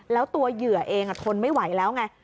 แล้วตัวเหยื่อเองทนไม่ไหวแล้วไง